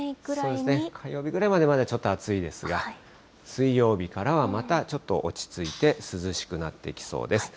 火曜日ぐらいまでまだちょっと暑いですが、水曜日からはまたちょっと落ち着いて、涼しくなっていきそうです。